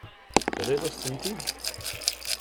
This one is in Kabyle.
Terriḍ-asen-tent-id?